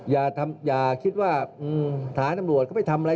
อย่าคิดว่าทหารตำรวจเขาไปทำอะไร